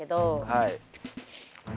はい。